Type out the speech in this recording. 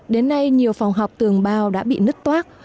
đến nay nhiều phòng học tường bao đã bị nứt toác